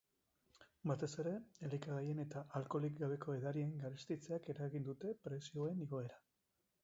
Batez ere, elikagaien eta alkoholik gabeko edarien garestitzeak eragin dute prezioen igoera.